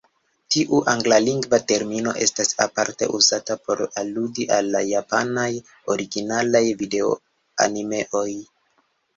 Tiu anglalingva termino estas aparte uzata por aludi al la japanaj originalaj video-animeoj.